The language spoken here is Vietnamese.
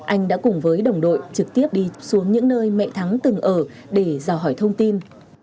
anh đã cùng với đồng đội trực tiếp đi xuống những nơi mẹ thắng từng ở để ra hỏi thông tin